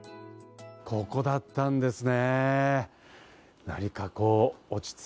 ここだったんですね。